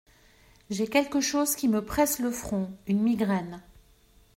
J'ai quelque chose qui me presse le front, une migraine.